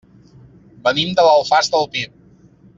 Venim de l'Alfàs del Pi.